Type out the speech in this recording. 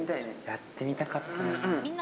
やってみたかったなぁ。